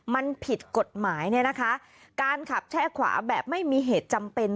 มันผิดกฎหมายเนี่ยนะคะการขับแช่ขวาแบบไม่มีเหตุจำเป็น